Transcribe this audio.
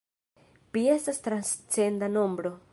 Pi estas transcenda nombro.